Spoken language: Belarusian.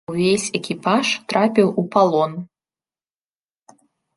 Увесь экіпаж трапіў у палон.